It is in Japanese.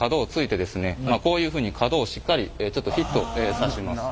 まあこういうふうに角をしっかりちょっとフィットさします。